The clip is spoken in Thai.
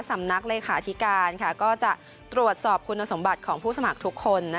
สำนักเลขาธิการก็จะตรวจสอบคุณสมบัติของผู้สมัครทุกคน